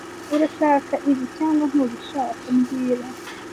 Urashaka ibi cyangwa ntubishaka mbwira